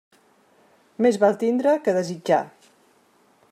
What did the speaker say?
Més val tindre que desitjar.